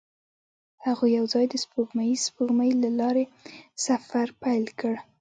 هغوی یوځای د سپوږمیز سپوږمۍ له لارې سفر پیل کړ.